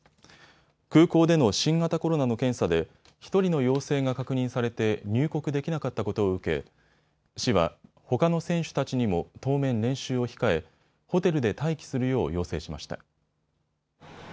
空港での新型コロナの検査で１人の陽性が確認されて入国できなかったことを受け市は、ほかの選手たちにも当面、練習を控えホテルで待機するよう要請しました。